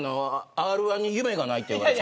Ｒ‐１に夢がないって言われて。